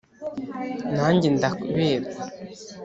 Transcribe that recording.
na njye nkaberwa,